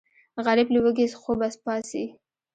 غریب له وږي خوبه پاڅي